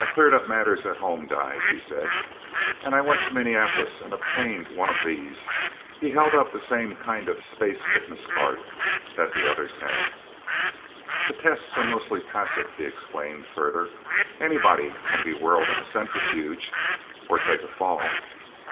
"I cleared up matters at home, guys," he said. "And I went to Minneapolis and obtained one of these." He held up the same kind of space fitness card that the others had. "The tests are mostly passive," he explained further. "Anybody can be whirled in a centrifuge, or take a fall.